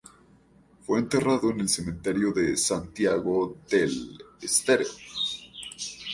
Fue enterrado en el cementerio de Santiago del Estero.